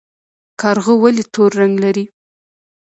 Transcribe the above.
کارغه ولې تور رنګ لري؟